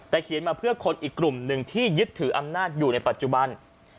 แต่เขียนมาเพื่อคนอีกกลุ่มหนึ่งที่ยึดถืออำนาจอยู่ในปัจจุบัน